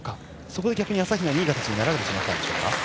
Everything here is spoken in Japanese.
そこで逆に朝比奈にいい形になられてしまったでしょうか。